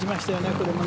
これも。